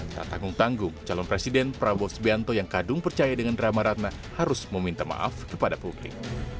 tak tanggung tanggung calon presiden prabowo sbianto yang kadung percaya dengan drama ratna harus meminta maaf kepada publik